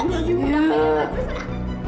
udah kang udah udah